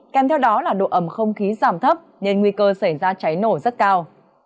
kèm theo đó là độ ẩm không khí giảm thấp nên nguy cơ xảy ra cháy nổ rất cao